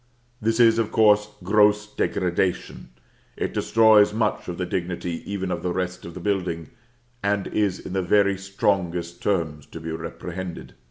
This is, of course, gross degradation; it destroys much of the dignity even of the rest of the building, and is in the very strongest terms to be reprehended.